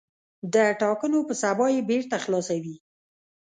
د ټاکنو په سبا یې بېرته خلاصوي.